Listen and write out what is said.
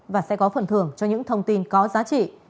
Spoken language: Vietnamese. và sẽ có phần thưởng cho những thông tin có giá trị